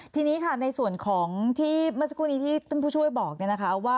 ที่นี้ในส่วนของที่เมื่อสักครู่นี้ที่ต้นผู้ช่วยบอก